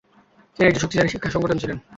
তিনি একজন শক্তিশালী শিক্ষা সংগঠক ছিলেন।